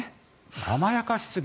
甘やかしすぎ。